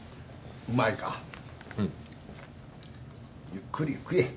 ゆっくり食え。